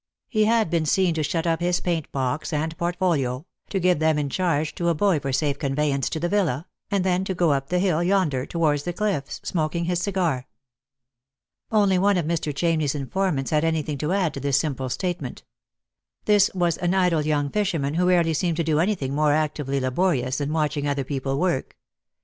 He had been seen to shut up his paint box and portfolio, to give them in charge to a boy for safe conveyance to the villa, and then to go up the hill yonder towards the cliffs, smoking his cigar. Only one of Mr. Chamney's informants had anything U> ad<i 172 Lost for Love. to this simple statement. This was an idle young fisherman, who rarely seemed to do anything more actively laborious than watching other people work.